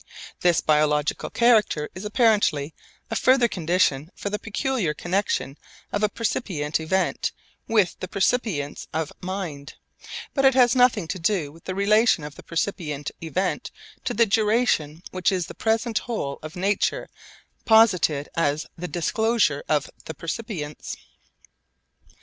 This biological character is apparently a further condition for the peculiar connexion of a percipient event with the percipience of mind; but it has nothing to do with the relation of the percipient event to the duration which is the present whole of nature posited as the disclosure of the percipience.